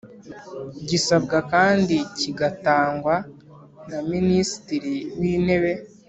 gisabwa kandi kigatangwa na Minisitiri w Intebe.